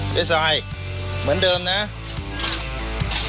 เจ๊สายเหมือนเดิมนะเอามาเลย